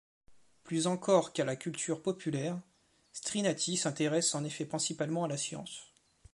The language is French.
Plus encore qu'à la culture populaire, Strinati s'intéresse en effet principalement à la science.